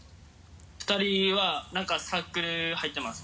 ２人は何かサークル入ってます。